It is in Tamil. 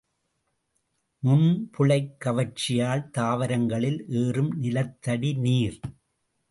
நுண்புழைக் கவர்ச்சியால் தாவரங்களில் ஏறும் நிலத்தடி நீர்.